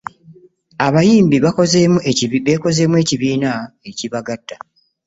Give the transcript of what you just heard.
Abayimbi bekozeemu ekibiina ekibagatta.